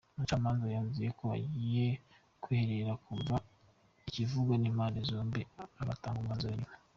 Umucamanza yanzuye ko agiye kwiherera akumva ibivugwa n’impande zombi akazatanga umwanzuro nyuma.